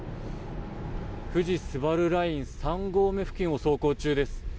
富士スバルライン３合目付近を走行中です。